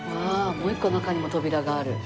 もう一個中にも扉がある。